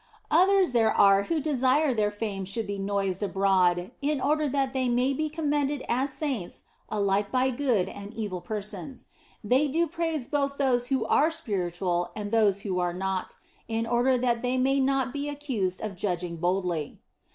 Others there are who desire that their fame should be noised abroad in order that they may be commended as saints alike by good and evil persons. They do praise both those who are spiritual and those who are not, in order that they may not be accused of judging boldly.